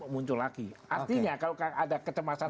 muncul lagi artinya kalau ada kecemasan